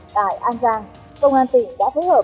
tại an giang công an tỉnh đã phối hợp